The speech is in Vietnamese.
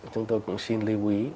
chúng tôi cũng xin lưu ý